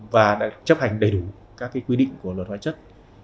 và đã chấp hành đầy đủ các quy định của luật hóa chất